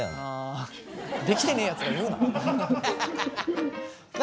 できてねえやつが言うな！